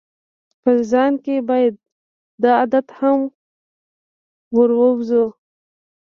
په ځان کې باید دا عادت هم وروزو.